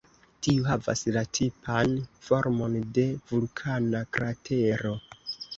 Tiu havas la tipan formon de vulkana kratero.